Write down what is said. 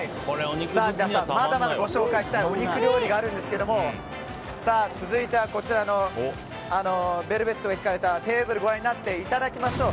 まだまだご紹介したいお肉料理があるんですが続いてはベルベットが敷かれたテーブルをご覧になっていただきましょう。